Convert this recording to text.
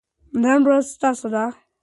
نن ورځ ستاسو ده.